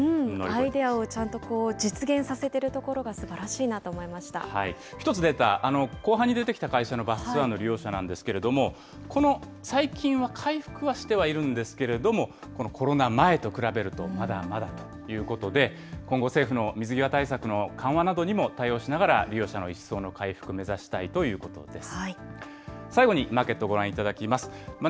アイデアをちゃんと実現させているところがすばらしいなと思１つデータ、後半に出てきた会社のバスツアーの利用者なんですけれども、この最近は、回復はしてはいるんですけれども、このコロナ前と比べるとまだまだということで、今後、政府の水際対策の緩和などにも対応しながら利用者の一層の回復を目指したいということです。